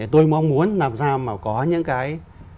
tôi mong muốn làm ra mà có những cái